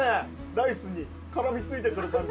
ライスに絡み付いてくる感じ。